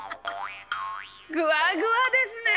グワグワですね。